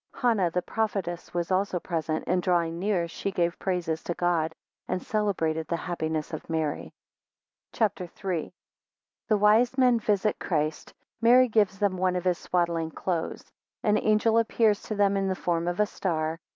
10 Hannah the prophetess was also present, and drawing near, she gave praises to God, and celebrated the happiness of Mary. CHAPTER III. 1 The wise men visit Christ. Mary gives them one of his swaddling clothes. 3 An angel appears to them in the form of a star.